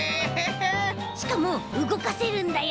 しかもうごかせるんだよ。